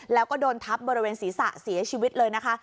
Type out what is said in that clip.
แล้วก็โดนทับบริเวณศีรษะเสียชีวิตเลยนะคะ